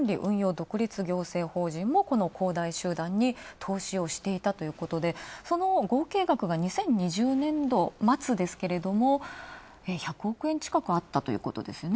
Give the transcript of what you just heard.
独立行政法人も、この恒大集団に投資をしていたということでその合計額が２０２０年度末ですが、１００億円近くあったということですよね。